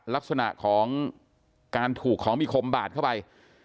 ลักษณะของการถูกของมีคมบาดเข้าไป